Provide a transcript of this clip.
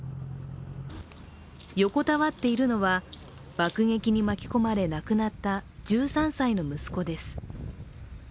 横たわっているのは爆撃に巻き込まれ亡くなった１３歳の息子です。